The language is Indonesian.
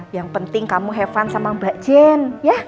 yang penting kamu have fun sama mbak jen